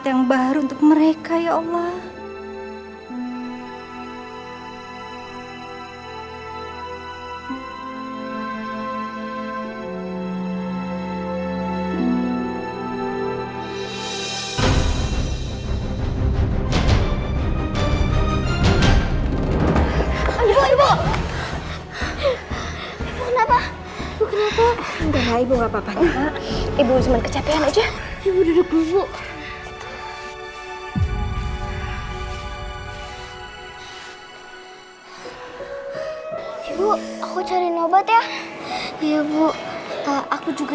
ibu gakpapa ibu cuma kecapean aja ibu duduk dulu ibu aku cari obat ya iya ibu aku juga